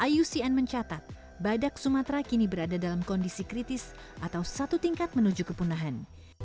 iucn mencatat badak sumatera kini berada dalam kondisi kritis atau satu tingkat menuju kepunahan